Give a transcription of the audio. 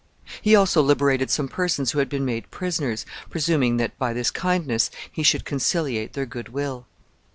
He also liberated some persons who had been made prisoners, presuming that, by this kindness, he should conciliate their good will.